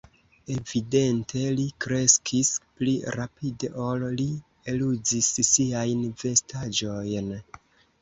Evidente li kreskis pli rapide, ol li eluzis siajn vestaĵojn.